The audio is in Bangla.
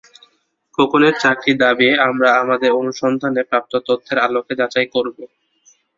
খোকনের চারটি দাবি আমরা আমাদের অনুসন্ধানে প্রাপ্ত তথ্যের আলোকে যাচাই করব।